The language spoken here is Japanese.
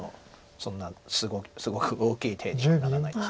そんなすごく大きい手にはならないです